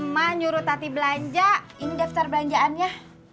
ma nyuruh tati belanja ini daftar belanjaannya